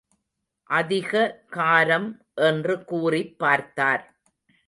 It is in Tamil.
அதிக காரம் என்று கூறிப் பார்த்தார்.